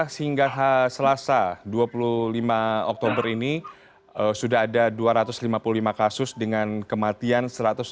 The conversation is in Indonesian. sehingga selasa dua puluh lima oktober ini sudah ada dua ratus lima puluh lima kasus dengan kematian satu ratus enam puluh